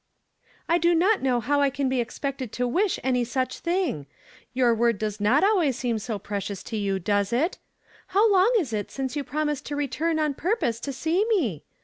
" I do not know how I can be expected to wisji any such thing. Your word does not always seem so precious to you, does it? How long is it since you promised to return on purpose to see me?